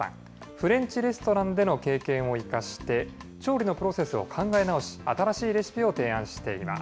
フレンチレストランでの経験を生かして、調理のプロセスを考え直し、新しいレシピを提案しています。